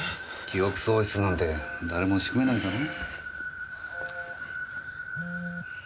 記憶喪失なんて誰も仕組めないだろ？